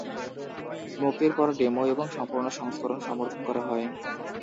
মুক্তির পর ডেমো এবং সম্পূর্ণ সংস্করণ সমর্থন করা হয়।